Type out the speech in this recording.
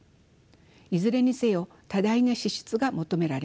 いずれにせよ多大な支出が求められます。